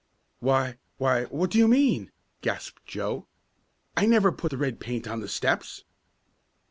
"Why why, what do you mean?" gasped Joe. "I never put the red paint on the steps!"